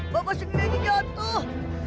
bapak sendiri jatuh